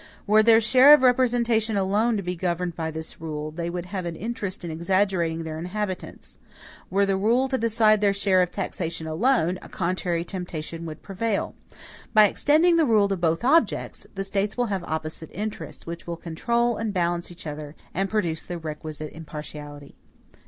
Were their share of representation alone to be governed by this rule, they would have an interest in exaggerating their inhabitants. Were the rule to decide their share of taxation alone, a contrary temptation would prevail. By extending the rule to both objects, the States will have opposite interests, which will control and balance each other, and produce the requisite impartiality.